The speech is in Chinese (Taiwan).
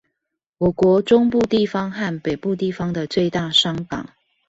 我國中部地方和北部地方的最大商港